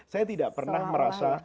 saya tidak pernah merasa